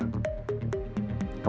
yang lain tetap di luar